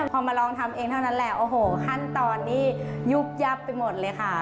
พอมาลองทำเองเท่านั้นแหละโอ้โหขั้นตอนนี้ยุบยับไปหมดเลยค่ะ